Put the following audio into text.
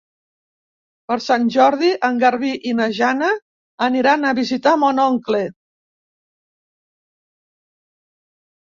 Per Sant Jordi en Garbí i na Jana aniran a visitar mon oncle.